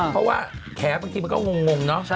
เพราะว่าแผลบางทีมันก็งงเนาะ